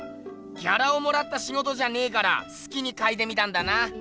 ギャラをもらったしごとじゃねえからすきにかいてみたんだな。